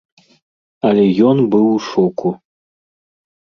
Але ён быў у шоку.